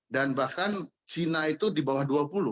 dan bahkan china itu di bawah dua puluh